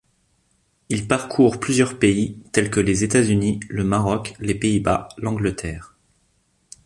Il parcourt plusieurs pays, tels que les États-Unis, le Maroc, les Pays-Bas, l’Angleterre.